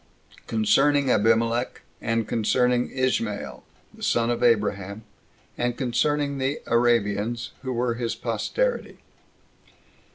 Concerning Abimelech; And Concerning Ismael The Son Of Abraham; And Concerning The Arabians, Who Were His Posterity.